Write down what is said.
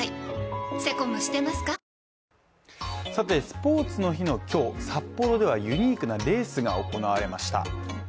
スポーツの日の今日、札幌ではユニークなレースが行われました。